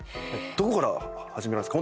どこから始めるんですか？